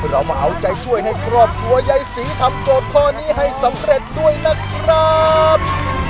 เรามาเอาใจช่วยให้ครอบครัวยายศรีทำโจทย์ข้อนี้ให้สำเร็จด้วยนะครับ